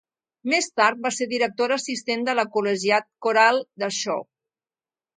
Mes tard va ser directora assistent de la Collegiate Chorale de Shaw.